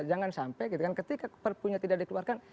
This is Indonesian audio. jangan sampai gitu kan ketika perpunya tidak dikeluarkan